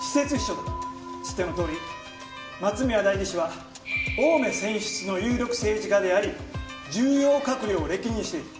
知ってのとおり松宮代議士は青梅選出の有力政治家であり重要閣僚を歴任している。